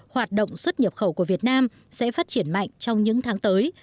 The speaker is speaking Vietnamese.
hoạt động xuất nhập khẩu của việt nam sẽ phát triển mạnh trong những tháng tới